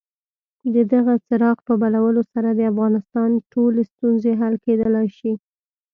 د دغه څراغ په بلولو سره د افغانستان ټولې ستونزې حل کېدلای شي.